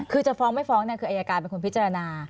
คือจะฟ้องไม่ฟ้องคืออายการเป็นคนพิจารณา